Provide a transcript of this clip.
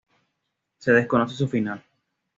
Se desconoce su final.